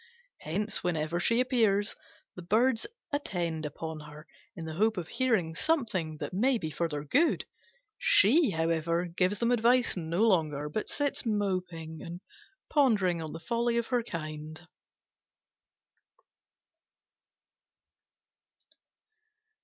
Hence, whenever she appears, the Birds attend upon her in the hope of hearing something that may be for their good. She, however, gives them advice no longer, but sits moping and pondering on the folly of her kind.